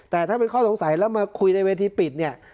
แต่ถ้าเป็นข้อสงสัยแล้วมาคุยในเวทีปิดเนี่ย